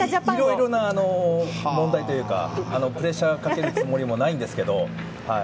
いろいろな問題というかプレッシャーをかけるつもりもないんですけど。